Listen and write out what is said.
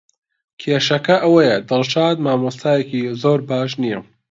کێشەکە ئەوەیە دڵشاد مامۆستایەکی زۆر باش نییە.